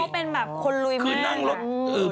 เขาเป็นแบบคนลุยมาก